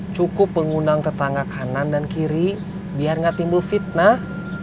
cukup pengundang ke tangga kanan dan kiri biar nggak timbul fitnah